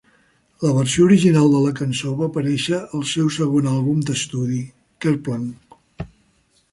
La versió original de la cançó va aparèixer al seu segon àlbum d'estudi, "Kerplunk".